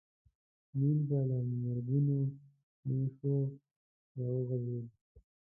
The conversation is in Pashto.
نیل به له مرګونو نېشو راوغورځېد.